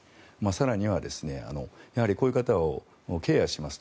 更にはこういう方をケアします